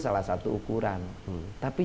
salah satu ukuran tapi